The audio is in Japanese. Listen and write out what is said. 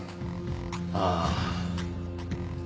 ああ。